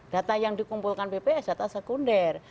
data yang dikumpulkan bps data sekunder